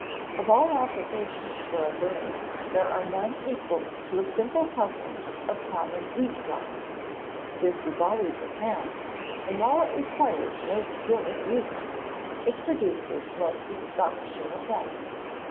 Of all applications for a burn, there are none equal to a simple covering of common wheat flour. This is always at hand; and while it requires no skill in using, it produces most astonishing effects.